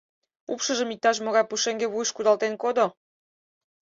— Упшыжым иктаж-могай пушеҥге вуйыш кудалтен кодо.